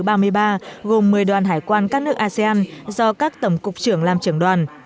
hội nghị tổng cục hải quan asean lần thứ ba mươi ba gồm một mươi đoàn hải quan các nước asean do các tổng cục trưởng làm trưởng đoàn